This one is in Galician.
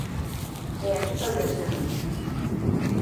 E así paulatinamente.